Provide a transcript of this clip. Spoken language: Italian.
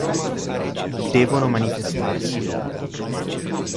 Devono manifestarsi.